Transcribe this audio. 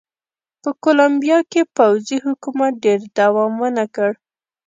په کولمبیا کې پوځي حکومت ډېر دوام ونه کړ.